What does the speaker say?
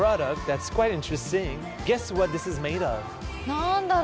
何だろう。